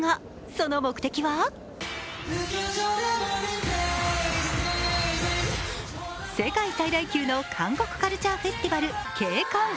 その目的は、世界最大級の韓国カルチャーフェスティバルＫＣＯＮ。